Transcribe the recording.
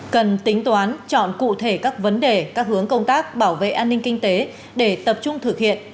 cần tính toán chọn cụ thể các vấn đề các hướng công tác bảo vệ an ninh kinh tế để tập trung thực hiện